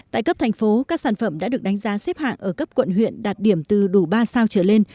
tại cấp thành phố các sản phẩm đã được đánh giá xếp hạng ở cấp quận huyện đạt điểm từ đủ ba sao trở lên